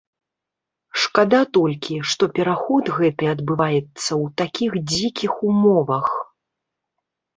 Шкада толькі, што пераход гэты адбываецца ў такіх дзікіх умовах.